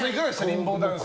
リンボーダンス。